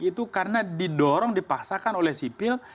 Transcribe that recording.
itu karena didorong dipaksakan oleh sipil